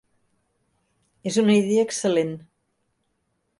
És una idea excel·lent.